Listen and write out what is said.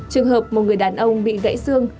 trường hợp một người đàn ông bị gãy sương